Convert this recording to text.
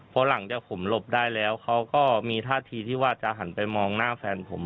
พอหลังจากผมหลบได้แล้วเขาก็มีท่าทีที่ว่าจะหันไปมองหน้าแฟนผม